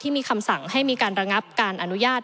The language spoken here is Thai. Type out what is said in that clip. มีคำสั่งให้มีการระงับการอนุญาต